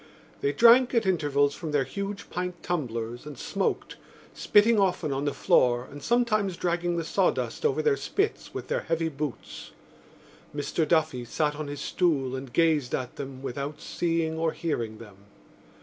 They drank at intervals from their huge pint tumblers and smoked, spitting often on the floor and sometimes dragging the sawdust over their spits with their heavy boots. Mr Duffy sat on his stool and gazed at them, without seeing or hearing them.